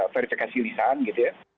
verifikasi lisan gitu ya